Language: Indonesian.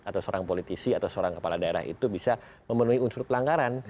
atau seorang politisi atau seorang kepala daerah itu bisa memenuhi unsur pelanggaran